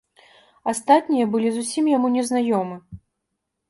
Астатнія былі зусім яму незнаёмы.